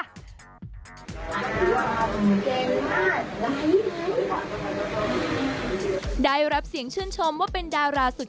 เก่งมากได้รับเสียงชื่นชมว่าเป็นดาวลาสุด